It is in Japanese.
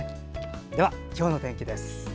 では、今日の天気です。